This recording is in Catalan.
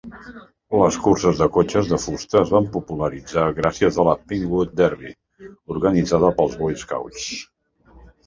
Les curses de cotxes de fusta es van popularitzar gràcies a la Pinewood Derby, organitzada pels Boy Scouts.